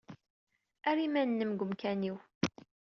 Err iman-nnem deg umkan-inu.